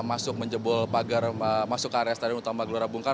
masuk menjebol pagar masuk ke area stadion utama gbk